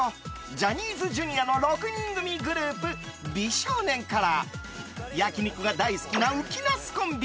ジャニーズＪｒ．の６人組グループ美少年から焼き肉が大好きなうきなすコンビ。